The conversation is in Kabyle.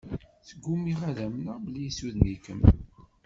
Sgumiɣ ad amneɣ belli yessuden-ikem.